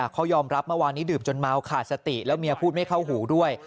เขายอมรับเมื่อวานนี้ดื่มจนเมาขาดสติแล้วเมียพูดไม่เข้าหูด้วย